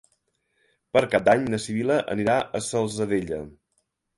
Per Cap d'Any na Sibil·la anirà a la Salzadella.